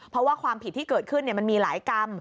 เพราะว่าความผิดที่เกิดขึ้นมันมีหลายกรรม